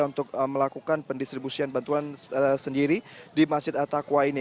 untuk melakukan pendistribusian bantuan sendiri di masjid attaqwa ini